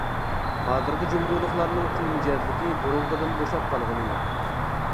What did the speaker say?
ھازىرقى جۇڭگولۇقلارنىڭ قۇل مىجەزلىكى بۇرۇنقىدىن بوشاپ قالغىنى يوق.